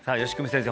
先生